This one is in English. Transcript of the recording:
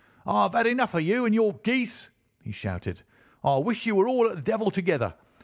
"I've had enough of you and your geese," he shouted. "I wish you were all at the devil together.